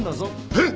えっ！？